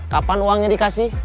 kapan uangnya dikasih